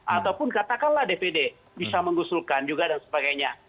ataupun katakanlah dpd bisa mengusulkan juga dan sebagainya